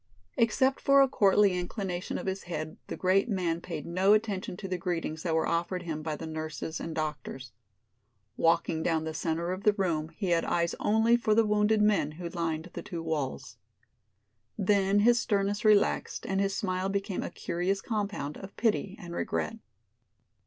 Except for a courtly inclination of his head the great man paid no attention to the greetings that were offered him by the nurses and doctors. Walking down the center of the room he had eyes only for the wounded men who lined the two walls. Then his sternness relaxed and his smile became a curious compound of pity and regret.